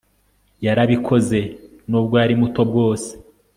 yarabikoze n'ubwo yari muto bwose